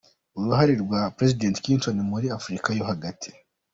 Uruhare rya President Clinton muri africa yo hagati